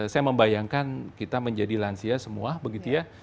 saya membayangkan kita menjadi lansia semua